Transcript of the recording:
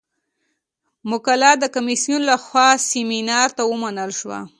مقاله د کمیسیون له خوا سیمینار ته ومنل شوه.